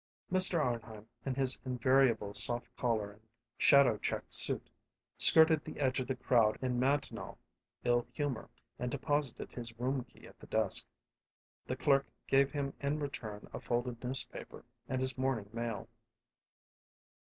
Mr. Arnheim, in his invariable soft collar and shadow checked suit, skirted the edge of the crowd in matinal ill humor and deposited his room key at the desk. The clerk gave him in return a folded newspaper and his morning mail.